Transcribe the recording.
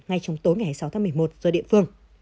ngay trong tối ngày sáu tháng một mươi một do địa phương